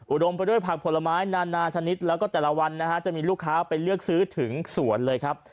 ดมไปด้วยผักผลไม้นานาชนิดแล้วก็แต่ละวันนะฮะจะมีลูกค้าไปเลือกซื้อถึงสวนเลยครับ